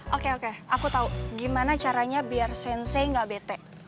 oke oke aku tahu gimana caranya biar sense gak bete